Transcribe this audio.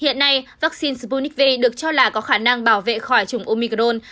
hiện nay vaccine spunik v được cho là có khả năng bảo vệ khỏi chủng omicron